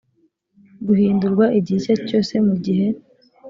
guhindurwa igihe icyo aricyo cyose mu gihe